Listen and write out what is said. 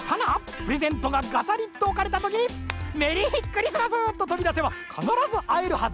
プレゼントがガサリッとおかれたときに「メリークリスマス！」ととびだせばかならずあえるはず。